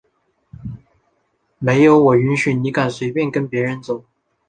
没有我的允许你敢随便跟别人走？！